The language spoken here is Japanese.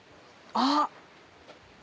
あっ！